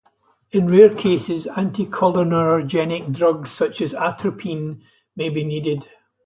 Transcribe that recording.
In rare cases anticholinergic drugs, such as atropine, may be needed.